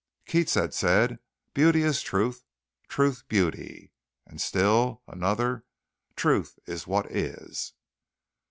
Keats had said "beauty is truth truth beauty," and still another "truth is what is."